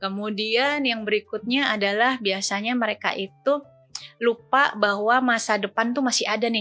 kemudian yang berikutnya adalah biasanya mereka itu lupa bahwa masa depan tuh masih ada nih